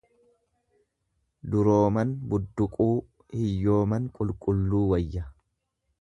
Durooman budduuquu, hiyyooman qulqulluu wayya.